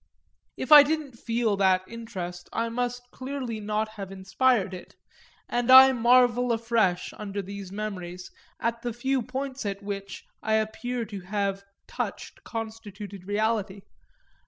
If I didn't feel that interest I must clearly not have inspired it, and I marvel afresh, under these memories, at the few points at which I appear to have touched constituted reality.